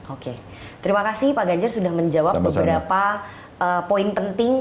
oke terima kasih pak ganjar sudah menjawab beberapa poin penting